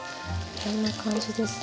こんな感じですね。